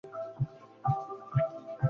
Estas capas se unen hasta crear la forma final.